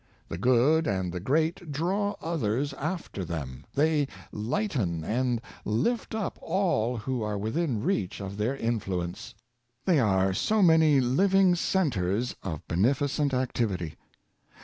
The good and the great draw others after them; they lighten and lift up all who are within reach of their influence. They are as so many living centres of beneficent activity.